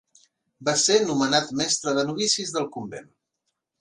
Va ser nomenat mestre de novicis del convent.